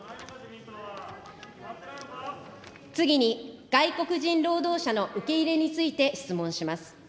次に、外国人労働者の受け入れについて質問します。